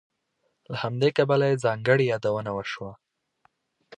له همدې کبله یې ځانګړې یادونه وشوه.